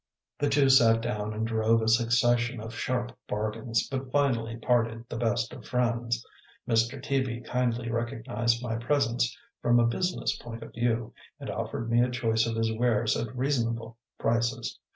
The two sat down and drove a succession of sharp bargains, but finally parted the best of friends. Mr. Teaby kindly recognized my presence from a business point of view, and offered me a choice of his wares at reasonable prices.